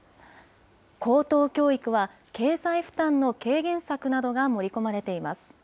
高等教育は、経済負担の軽減策などが盛り込まれています。